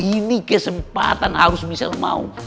ini kesempatan harus misal mau